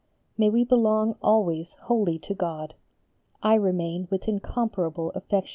May we belong always wholly to God. I remain with incomparable affection, Yours, etc.